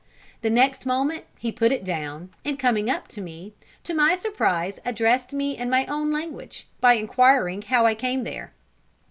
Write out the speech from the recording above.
The next moment he put it down, and coming up to me, to my surprise addressed me in my own language, by inquiring how I came there.